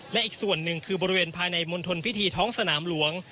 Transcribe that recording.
และอีกส่วนหนึ่งคือบริเวณภายในมณฑลพิธีท้องสนามหลวง